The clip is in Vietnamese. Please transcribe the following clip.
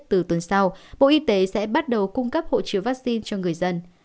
từ tuần sau bộ y tế sẽ bắt đầu cung cấp hộ chiếu vaccine cho người dân